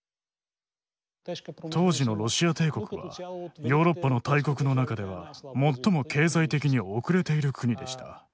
当時のロシア帝国はヨーロッパの大国の中では最も経済的に遅れている国でした。